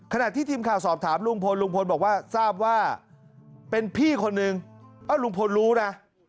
ขณะที่ทีมข่าวสอบถามลุงพลลุงพลบอกว่าทราบว่าเป็นพี่คนนึงลุงพลรู้นะ